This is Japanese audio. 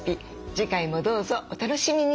次回もどうぞお楽しみに。